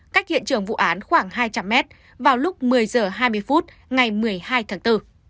cách hiện trường vụ án khoảng hai trăm linh m vào lúc một mươi h hai mươi phút ngày một mươi hai tháng bốn